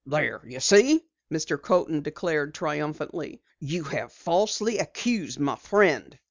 "There, you see!" Mr. Coaten declared triumphantly. "You have falsely accused my friend."